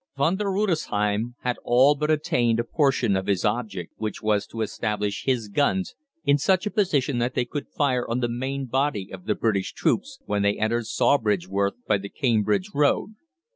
Von der Rudesheim had all but attained a portion of his object, which was to establish his guns in such a position that they could fire on the main body of the British troops when they entered Sawbridgeworth by the Cambridge Road.